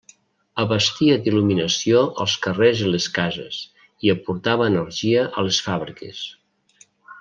Abastia d'il·luminació els carrers i les cases i aportava energia a les fàbriques.